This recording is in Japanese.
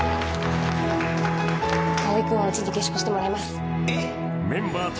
蒼君はうちに下宿してもらいます。